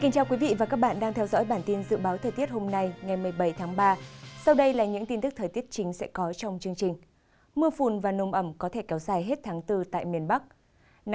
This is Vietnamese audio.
các bạn hãy đăng ký kênh để ủng hộ kênh của chúng mình nhé